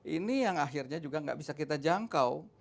ini yang akhirnya juga nggak bisa kita jangkau